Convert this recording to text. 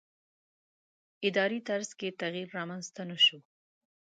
ادارې په طرز کې تغییر رامنځته نه شو.